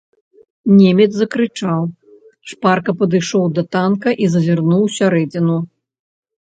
Немец закрычаў, шпарка падышоў да танка і зазірнуў у сярэдзіну.